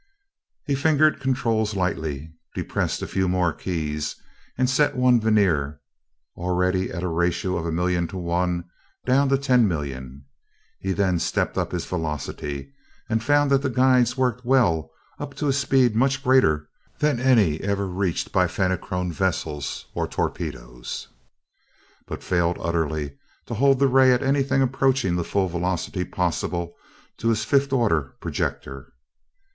He fingered controls lightly, depressed a few more keys, and set one vernier, already at a ratio of a million to one, down to ten million. He then stepped up his velocity, and found that the guides worked well up to a speed much greater than any ever reached by Fenachrone vessels or torpedoes, but failed utterly to hold the ray at anything approaching the full velocity possible to his fifth order projector.